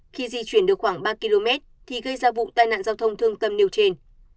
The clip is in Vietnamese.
khi di chuyển được khoảng ba km thì gây ra vụ tai nạn giao thông thương tâm nêu trên